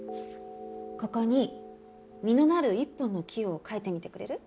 ここに実のなる１本の木を描いてみてくれる？